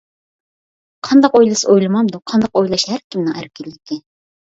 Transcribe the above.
قانداق ئويلىسا ئويلىمامدۇ، قانداق ئويلاش ھەركىمنىڭ ئەركىنلىكى.